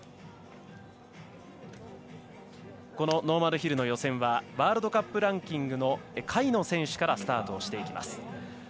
このノーマルヒルの予選はワールドカップランキングの下位の選手からスタートをしていきます。